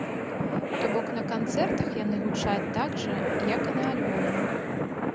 То бок на канцэртах яны гучаць так жа, як і на альбоме.